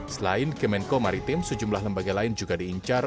selain kemenko maritim sejumlah lembaga lain juga diincar